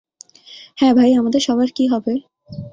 হ্যাঁ ভাই, আমাদের সবার কি হবে।